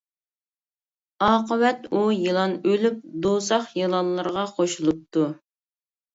ئاقىۋەت ئۇ يىلان ئۆلۈپ، دوزاخ يىلانلىرىغا قوشۇلۇپتۇ.